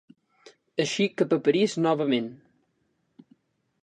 Eixí cap a París novament.